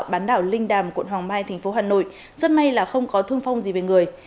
bán đảo linh đàm quận hoàng mai thành phố hà nội rất may là không có thương vong gì về người